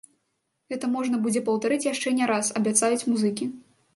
Гэта можна будзе паўтарыць яшчэ не раз, абяцаюць музыкі.